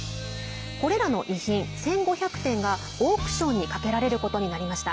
これらの遺品１５００点がオークションにかけられることになりました。